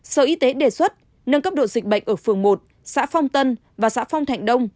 sở y tế đề xuất nâng cấp độ dịch bệnh ở phường một xã phong tân và xã phong thạnh đông